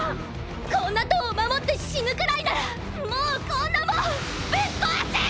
こんな塔を守って死ぬくらいならもうこんなもんぶっ壊せ！！！